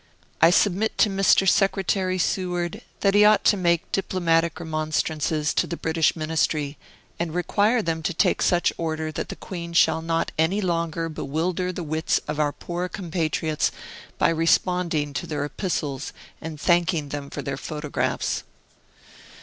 I submit to Mr. Secretary Seward that he ought to make diplomatic remonstrances to the British Ministry, and require them to take such order that the Queen shall not any longer bewilder the wits of our poor compatriots by responding to their epistles and thanking them for their photographs.